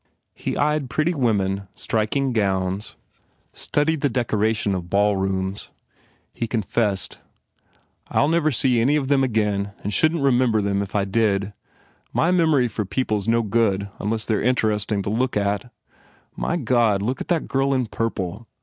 He eyed pretty women, striking gowns, studied the decoration of ball rooms. He con fessed, "I ll never see any of them again and shouldn t remember them if I did. My memory THE FAIR REWARDS for people s no good unless they re interestin to look at. My god, look at that girl in purple.